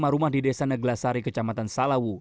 empat puluh lima rumah di desa neglasari kecamatan salawu